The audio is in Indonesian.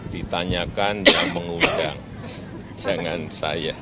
ditanyakan yang mengundang jangan saya